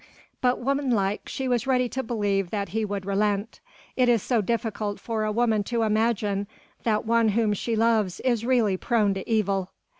But womanlike she was ready to believe that he would relent. It is so difficult for a woman to imagine that one whom she loves is really prone to evil.